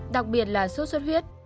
đặc biệt là sốt suất huyết